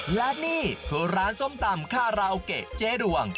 และนี่คือร้านส้มตำคาราโอเกะเจ๊ดวง